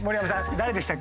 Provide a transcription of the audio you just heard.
誰でしたっけ？